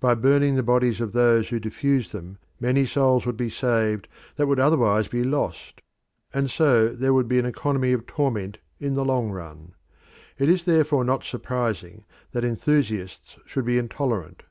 By burning the bodies of those who diffuse them many souls would be saved that would otherwise be lost, and so there would be an economy of torment in the long run. It is therefore not surprising that enthusiasts should be intolerant.